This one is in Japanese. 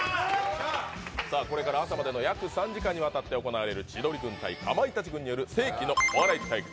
さあ、これから朝までの約３時間にわたって行われる千鳥軍対かまいたち軍による世紀のお笑い対決